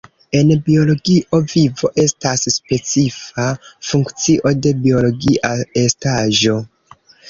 En biologio vivo estas specifa funkcio de biologia estaĵo.